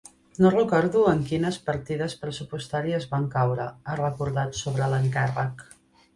No recordo en quines partides pressupostàries van caure, ha recordat sobre l’encàrrec.